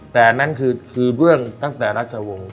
แต่อันนั้นคือเรื่องตั้งแต่รัชวงศ์